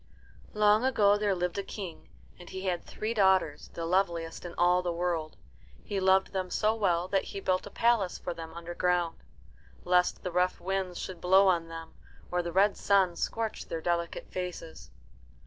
Long ago there lived a King, and he had three daughters, the loveliest in all the world. He loved them so well that he built a palace for them underground, lest the rough winds should blow on them or the red sun scorch their delicate faces.